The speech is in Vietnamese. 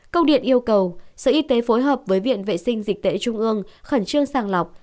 công điện yêu cầu sở y tế phối hợp với viện vệ sinh dịch tễ trung ương khẩn trương sàng lọc